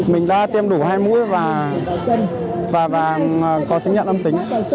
mình đã tiêm đủ hai mũi và có chứng nhận âm tính